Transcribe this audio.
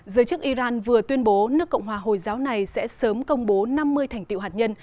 giới chức iran vừa tuyên bố nước cộng hòa hồi giáo này sẽ sớm công bố năm mươi thành tiệu hạt nhân